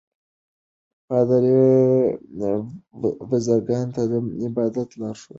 پادري بزګرانو ته د عبادت لارښوونه کوي.